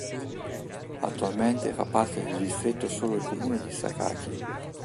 Attualmente fa parte del distretto solo il comune di Sakaki.